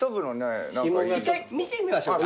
１回見てみましょうか。